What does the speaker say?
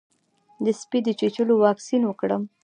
د سپي د چیچلو واکسین وکړم؟